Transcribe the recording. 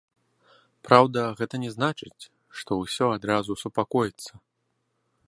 Праўда, гэта не значыць, што ўсё адразу супакоіцца.